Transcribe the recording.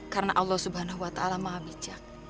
karena allah swt maha bijak